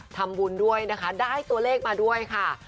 ทำภูมิด้วยได้ตัวเลขมาด้วยค่ะ